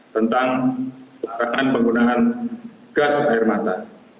tentang dugaan penggunaan gas air mata